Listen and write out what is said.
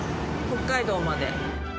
北海道まで。